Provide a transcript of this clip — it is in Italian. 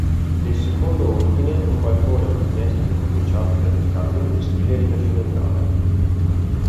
Nel secondo ordine un balcone e una finestra incorniciati da dettami in stile rinascimentale.